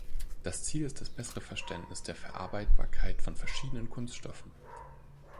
Das Ziel ist das bessere Verständnis der Verarbeitbarkeit von verschiedenen Kunststoffen.